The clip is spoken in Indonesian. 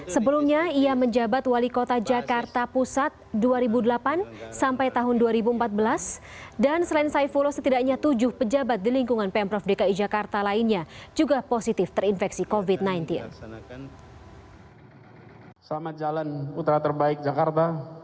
sebelumnya ia menjabat wali kota jakarta pusat dua ribu delapan sampai tahun dua ribu empat belas dan selain saifullah setidaknya tujuh pejabat di lingkungan pemprov dki jakarta lainnya juga positif terinfeksi covid sembilan belas